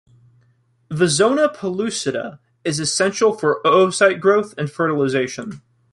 The zona pellucida is essential for oocyte growth and fertilization.